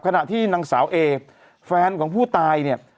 ขณะที่นางสาวเอแฟนของผู้ตายเนี่ย